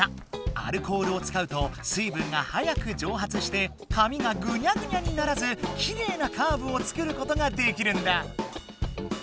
アルコールを使うと水分が早くじょうはつして紙がグニャグニャにならずきれいなカーブを作ることができるんだ。